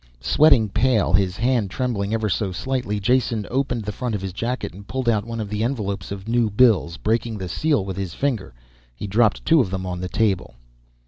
Sweating, pale, his hand trembling ever so slightly, Jason opened the front of his jacket and pulled out one of the envelopes of new bills. Breaking the seal with his finger he dropped two of them on the table.